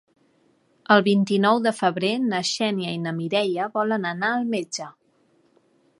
El vint-i-nou de febrer na Xènia i na Mireia volen anar al metge.